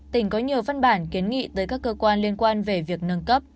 tỉnh có nhiều văn bản kiến nghị tới các cơ quan liên quan về việc nâng cấp